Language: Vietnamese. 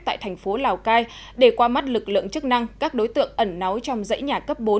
tại thành phố lào cai để qua mắt lực lượng chức năng các đối tượng ẩn náu trong dãy nhà cấp bốn